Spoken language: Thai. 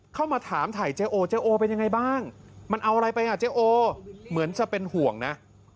เข้ามาถามถ่ายเจ๊โอเจ๊โอเป็นยังไงบ้างมันเอาอะไรไปอ่ะเจ๊โอเหมือนจะเป็นห่วงนะ